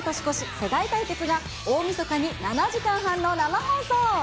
世代対決が大みそかに７時間半の生放送。